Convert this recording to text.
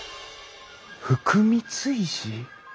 福光石！？